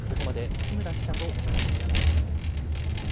ここまで津村記者とお伝えしました。